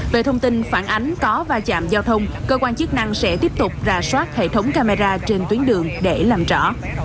về thông tin phản ánh có va chạm giao thông cơ quan chức năng sẽ tiếp tục rà soát hệ thống camera trên tuyến đường để làm rõ